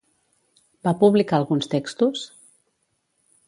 Va publicar alguns textos?